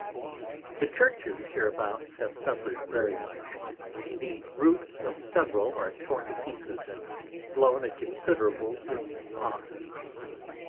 The Churches here abouts have suffered very much, the Roofs of several are torn in pieces, and blown a considerable Distance off.